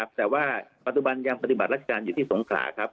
แต่ว่าปัจจุบันยังปฏิบัติราชการอยู่ที่สงขลาครับ